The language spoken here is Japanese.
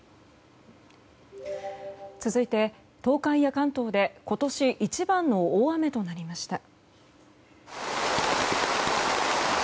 続いて、東海や関東で今年一番の大雨となりました。